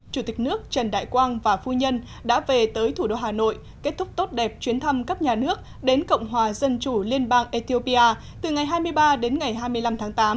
chủ tịch nước trần đại quang và phu nhân đã về tới thủ đô hà nội kết thúc tốt đẹp chuyến thăm cấp nhà nước đến cộng hòa dân chủ liên bang ethiopia từ ngày hai mươi ba đến ngày hai mươi năm tháng tám